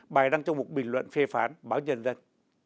bài đăng trong một bình luận phê phán báo nhân dân